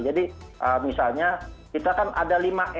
jadi misalnya kita kan ada lima m